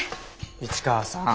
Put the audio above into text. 市川さん